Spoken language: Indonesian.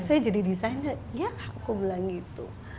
saya jadi desainer ya aku bilang gitu